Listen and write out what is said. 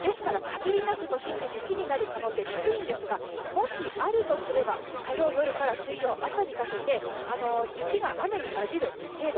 都心で雪になる確率は低いんですがもしあるとすれば火曜夜から水曜朝にかけて雪が雨に交じる程度。